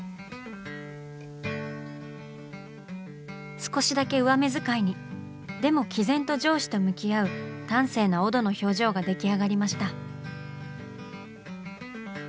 少しだけ上目使いにでも毅然と上司と向き合う端正なオドの表情が出来上がりました。